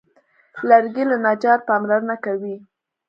لرګي ته نجار پاملرنه کوي.